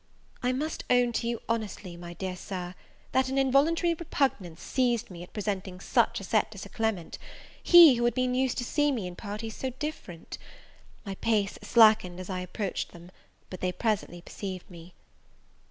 I must own to you honestly, my dear Sir, that an involuntary repugnance seized me at presenting such a set to Sir Clement, he who had been used to see me in parties so different! My pace slackened as I approached them, but they presently perceived me.